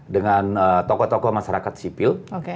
dengan tokoh tokoh masyarakat sipil